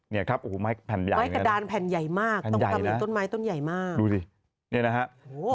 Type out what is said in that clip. นี่ครับไม้กระดานแผ่นใหญ่มากต้องทำให้ต้นไม้ต้นใหญ่มากนี่นะครับ